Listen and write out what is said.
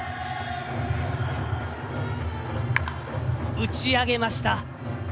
打ち上げました。